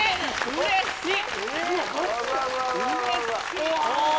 うれしい！